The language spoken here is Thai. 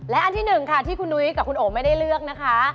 และอันที่๑ค่ะที่คุณนุ้ยกับคุณโอไม่ได้เลือกนะคะ